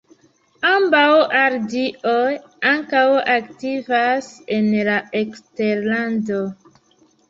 Ambaŭ Aldi-oj ankaŭ aktivas en la eksterlando.